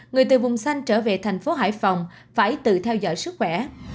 người từ vùng xanh trở về thành phố hải phòng phải tự theo dõi sức khỏe